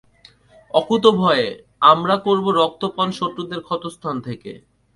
অকুতোভয়ে, আমরা করবো রক্তপান শত্রুদের ক্ষতস্থান থেকে।